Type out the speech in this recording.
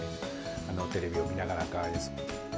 テレビを見ながらとか。